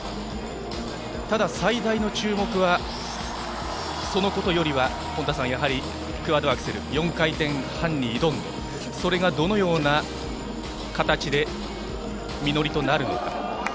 ただ、最大の注目はそのことよりはやはりクアッドアクセル４回転半に挑んでそれが、どのような形で実りとなるのか。